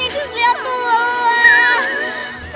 inci sliya tuh lelah